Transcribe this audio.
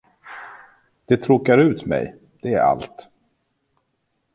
Det tråkar ut mig, det är allt.